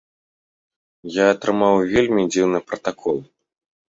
Я атрымаў вельмі дзіўны пратакол.